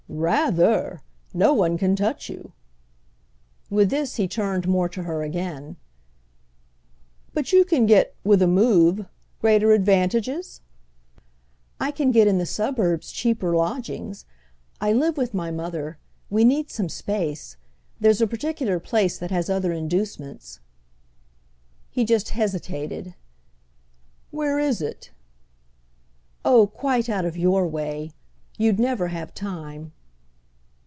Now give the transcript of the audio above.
"Rather! No one can touch you." With this he turned more to her again. "But you can get, with a move, greater advantages?" "I can get in the suburbs cheaper lodgings. I live with my mother. We need some space. There's a particular place that has other inducements." He just hesitated. "Where is it?" "Oh quite out of your way. You'd never have time."